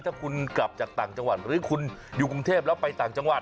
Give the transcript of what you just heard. ถ้าคุณกลับจากต่างจังหวัดหรือคุณอยู่กรุงเทพแล้วไปต่างจังหวัด